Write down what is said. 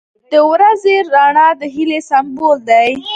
• د ورځې رڼا د هیلې سمبول دی.